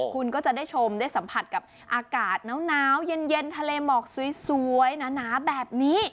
คุณก็จะได้ชมได้สัมผัสกับอากาศหนาวเย็นทะเลหมอกสวยหนาแบบนี้